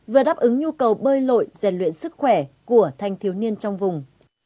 vừa đáp ứng nhu cầu bơi lội rèn luyện sức khỏe của thanh thiếu niên trong vùng